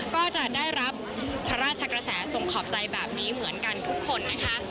ก็จะได้รับพระราชกระแสทรงขอบใจแบบนี้เหมือนกันทุกคนนะคะ